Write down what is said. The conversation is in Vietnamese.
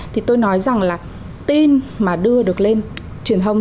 thì tôi nói rằng là tin mà đưa được lên truyền thông